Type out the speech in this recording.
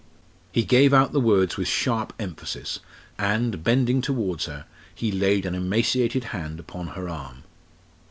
He gave out the words with sharp emphasis, and, bending towards her, he laid an emaciated hand upon her arm.